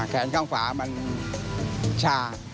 แขนข้างฝามันชา